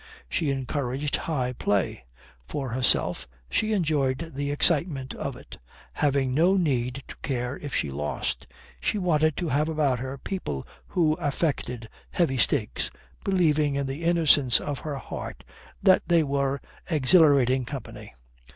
She encouraged high play. For herself, she enjoyed the excitement of it, having no need to care if she lost. She wanted to have about her people who affected heavy stakes, believing in the innocence of her heart that they were exhilarating company.